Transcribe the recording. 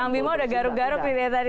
kang bima sudah garuk garuk tadi